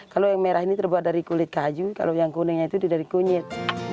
kalau yang merah ini terbuat dari kulit kayu kalau yang kuningnya itu dari kunyit